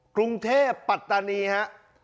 กรุงเทพปัตตานีครับ